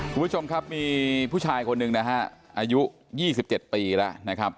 คุณผู้ชมครับมีผู้ชายคนหนึ่งนะฮะอายุ๒๗ปีแล้วนะครับ